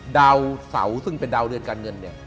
ดาวเสาซึ่งเป็นดาวเดือนการเงิน